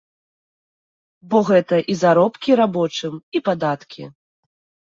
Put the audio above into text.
Бо гэта і заробкі рабочым, і падаткі.